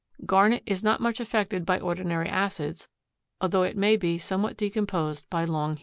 Garnet is not much affected by ordinary acids, although it may be somewhat decomposed by long heating.